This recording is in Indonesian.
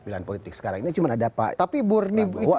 pilihan politik sekarang ini cuma ada pak prabowo atau pak jokowi